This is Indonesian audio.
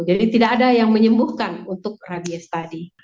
jadi tidak ada yang menyembuhkan untuk rabies tadi